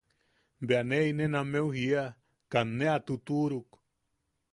Bea ne inen ammeu jiaa –Kaa ne a tutuʼuruk.